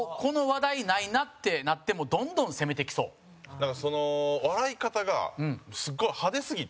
だから、その笑い方がすごい派手すぎて。